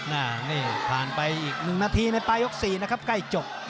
นี่ผ่านไปอีก๑นาทีในปลายยก๔นะครับใกล้จบ